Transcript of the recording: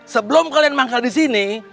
sebelum kalian manggal di sini